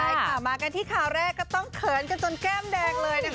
ใช่ค่ะมากันที่ข่าวแรกก็ต้องเขินกันจนแก้มแดงเลยนะคะ